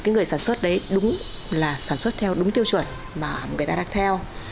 người sản xuất đấy đúng là sản xuất theo đúng tiêu chuẩn mà người ta đang theo